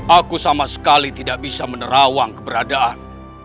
aku sudah berhasil menerawang keberadaan